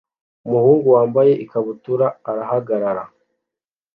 Umuhungu wambaye ikabutura arahagarara